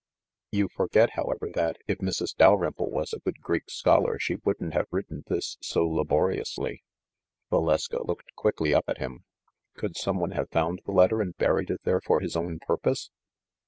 "You forget, however, that, if Mrs. Dalrymple was a good Greek scholar, she wouldn't have written this so laboriously." Valeska looked quickly up at him. "Could some one have found the letter and buried it there for his own purpose?"